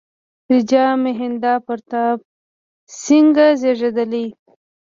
راجا مهیندرا پراتاپ سینګه زېږېدلی.